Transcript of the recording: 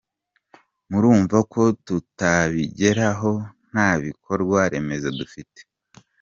Murumva ko tutabigeraho nta bikorwa remezo dufite.